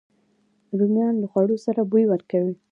رومیان له خوړو سره بوی ورکوي